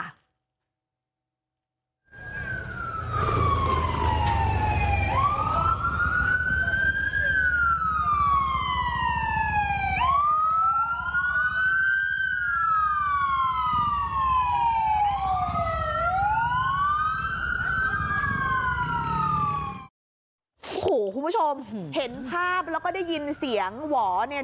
โอ้โหคุณผู้ชมเห็นภาพแล้วก็ได้ยินเสียงหวอเนี่ย